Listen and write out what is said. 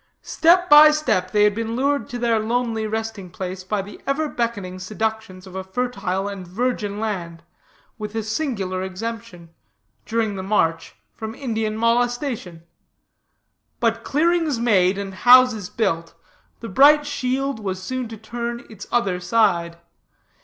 Step by step they had been lured to their lonely resting place by the ever beckoning seductions of a fertile and virgin land, with a singular exemption, during the march, from Indian molestation. But clearings made and houses built, the bright shield was soon to turn its other side.